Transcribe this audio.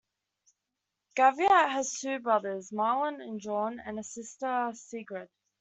Gevaert has two brothers, Marlon and John, and a sister Sigrid.